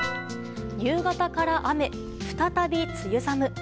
夕方から雨、再び梅雨寒。